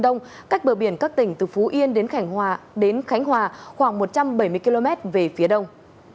một trăm một mươi năm một trăm một mươi một năm độ k cách bờ biển các tỉnh từ phú yên đến khánh hòa khoảng một trăm bảy mươi km về phía đông